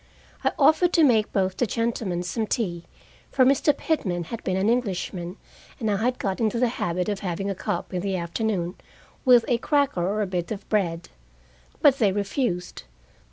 I offered to make both the gentlemen some tea, for Mr. Pitman had been an Englishman, and I had got into the habit of having a cup in the afternoon, with a cracker or a bit of bread. But they refused.